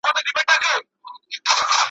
هغوی په خپلو افکارو